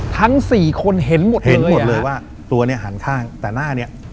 ทั้งสี่คนเห็นหมดเห็นหมดเลยว่าตัวเนี่ยหันข้างแต่หน้าเนี้ย